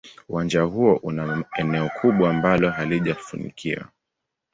Uwanja huo una eneo kubwa ambalo halijafunikwa.